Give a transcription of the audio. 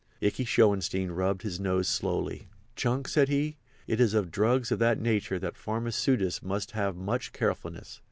Ikey Schoenstein rubbed his nose slowly. "Chunk," said he, "it is of drugs of that nature that pharmaceutists must have much carefulness.